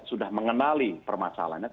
sudah mengenali permasalahannya